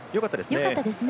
よかったですね。